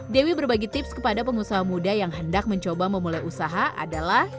dewi berbagi tips kepada pengusaha muda yang hendak mencoba memulai usaha adalah